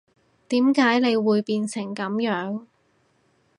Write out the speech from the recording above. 點解你會變成噉樣